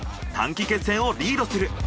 短期決戦をリードする。